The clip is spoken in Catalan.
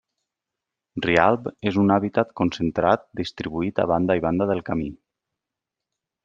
Rialb és un hàbitat concentrat distribuït a banda i banda del camí.